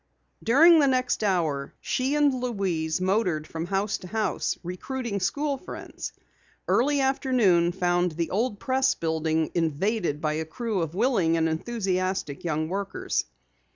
During the next hour she and Louise motored from house to house, recruiting school friends. Early afternoon found the old Press building invaded by a crew of willing and enthusiastic young workers.